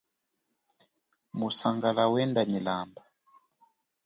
Musangala wenda nyi lamba.